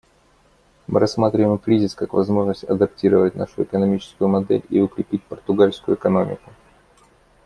Мы рассматриваем кризис как возможность адаптировать нашу экономическую модель и укрепить португальскую экономику.